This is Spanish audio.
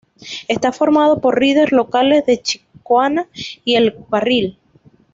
Está formado por riders locales de Chicoana y El Carril.